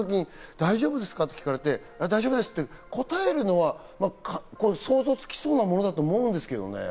大丈夫ですか？と聞かれて大丈夫ですって答えるのは、想像がつきそうなものだと思うんですよね。